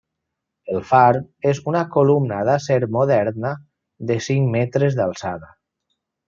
El far és una columna d'acer moderna de cinc metres d'alçada.